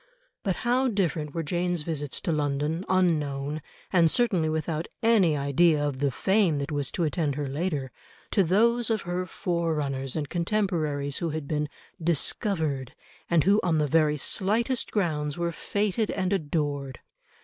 But how different were Jane's visits to London, unknown, and certainly without any idea of the fame that was to attend her later, to those of her forerunners and contemporaries who had been "discovered," and who on the very slightest grounds were fêted and adored.